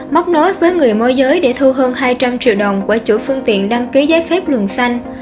móc nối với người môi giới để thu hơn hai trăm linh triệu đồng qua chủ phương tiện đăng ký giấy phép luồng xanh